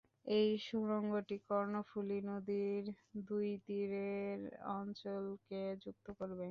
এই সুড়ঙ্গটি কর্ণফুলী নদীর দুই তীরের অঞ্চলকে যুক্ত করবে।